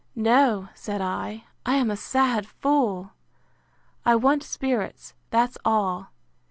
—No, said I, I am a sad fool! I want spirits, that's all.